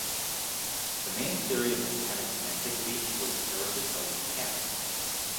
The main theory of mechanics in antiquity was Aristotelian mechanics.